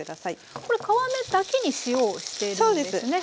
これ皮目だけに塩をしているんですね？